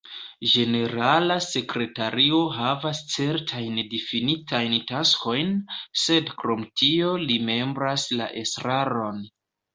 Ĝenerala sekretario havas certajn difinitajn taskojn, sed krom tio li membras la estraron.